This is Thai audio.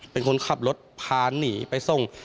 เป็นคนขับรถพาหนีไปส่ง